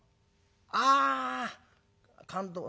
ああ勘当。